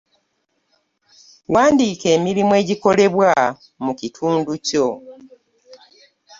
Wandiika emirimu egikolebwa mu kitundu kyo .